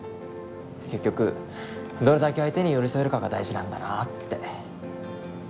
結局どれだけ相手に寄り添えるかが大事なんだなって。